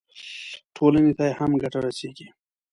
ټولنې ته یې هم ګټه رسېږي.